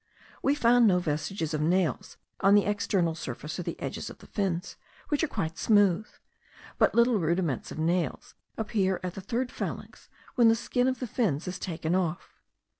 We found no vestiges of nails on the external surface or the edges of the fins, which are quite smooth; but little rudiments of nails appear at the third phalanx, when the skin of the fins is taken off.